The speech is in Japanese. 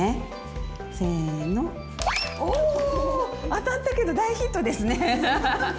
当たったけど大ヒットですね。